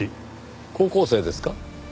高校生ですか？